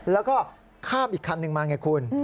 แล้วก็ข้ามอีกคันหนึ่งมาไงคุณ